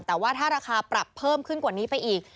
แต่ว่าถ้าราคาปรับเพิ่มขึ้นกว่านี้ไปอีก